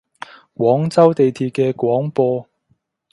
廣州地鐵嘅廣播